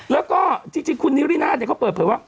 แล้วก็จริงคุณนิรินาทเขาเปิดเผยว่า